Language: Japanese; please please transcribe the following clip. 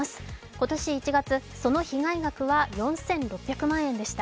今年１月、その被害額は４６００万円でした。